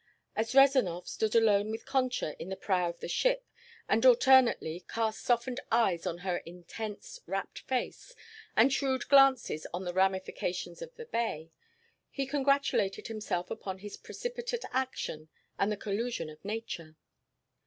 As Rezanov stood alone with Concha in the prow of the ship and alternately cast softened eyes on her intense, rapt face, and shrewd glances on the ramifications of the bay, he congratulated himself upon his precipitate action and the collusion of nature.